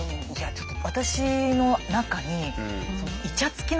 ちょっと。